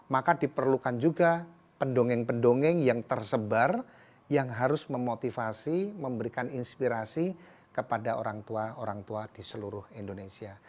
maka diperlukan juga pendongeng pendongeng yang tersebar yang harus memotivasi memberikan inspirasi kepada orang tua orang tua di seluruh indonesia